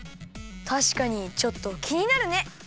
たしかにちょっときになるね！